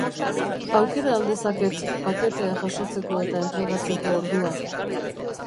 Aukera al dezaket paketea jasotzeko eta entregatzeko ordua?